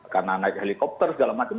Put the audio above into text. karena naik helikopter segala macam